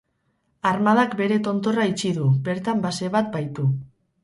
Armadak bere tontorra itxi du, bertan base bat baitu.